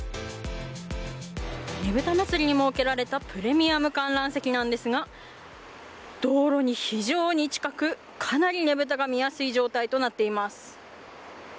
ねぶた祭に設けられたプレミアム観覧席なんですが道路に非常に近くかなり、ねぶたが見やすい状態となっています。